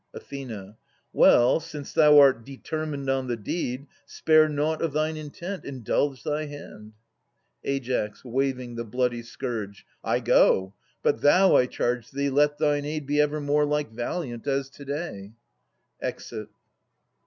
Ath. Well, since thou art determined on the deed, Spare nought of thine intent : indulge thy hand ! Ai. (waving the bloody scourge). I go ! But thou, I charge thee, let thine aid Be evermore like valiant as to day. [Exit.